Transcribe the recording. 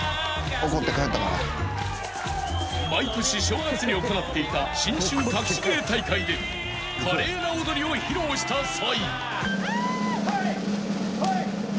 ［毎年正月に行っていた『新春かくし芸大会』で華麗な踊りを披露した際］